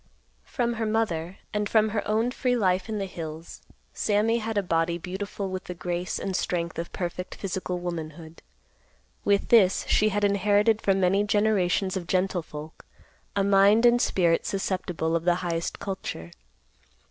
From her mother, and from her own free life in the hills, Sammy had a body beautiful with the grace and strength of perfect physical womanhood. With this, she had inherited from many generations of gentle folk a mind and spirit susceptible of the highest culture.